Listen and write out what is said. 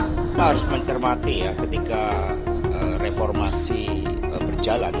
kita harus mencermati ya ketika reformasi berjalan